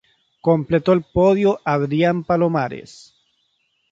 Completó el podio Adrián Palomares.